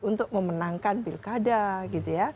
untuk memenangkan pilkada gitu ya